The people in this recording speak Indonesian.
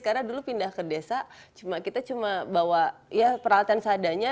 karena dulu pindah ke desa kita cuma bawa peralatan seadanya